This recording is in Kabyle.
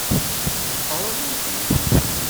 Ḍfeṛ abrid-ik.